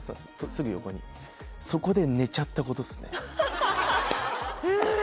すぐ横にそこで寝ちゃったことっすね・え！